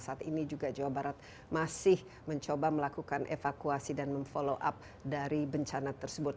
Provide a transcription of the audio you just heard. saat ini juga jawa barat masih mencoba melakukan evakuasi dan memfollow up dari bencana tersebut